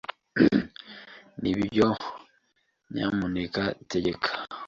Nibyo. Nyamuneka tegeka.